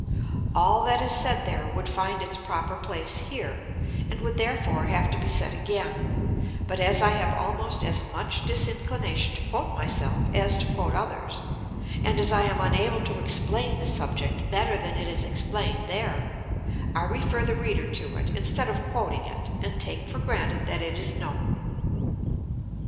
All that is said there would find its proper place here, and would therefore have to be said again; but as I have almost as much disinclination to quote myself as to quote others, and as I am unable to explain the subject better than it is explained there, I refer the reader to it, instead of quoting it, and take for granted that it is known.